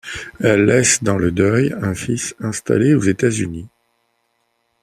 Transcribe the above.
Elle laisse dans le deuil un fils, installé aux États-Unis.